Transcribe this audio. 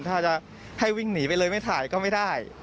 ถ้าจะให้วิ่งหนีไปเลยไม่ถ่ายก็ไม่ได้